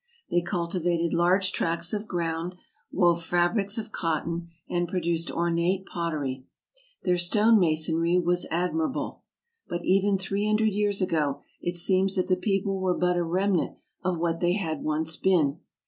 They cultivated large tracts of ground, wove fabrics of cotton, and produced ornate pot tery. Their stone masonry was admirable. But even three hundred years ago it seems that the people were but a rem nant of what they had once been.